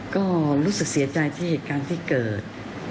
ก็รู้สึกเสียใจที่เหตุการณ์ที่เกิด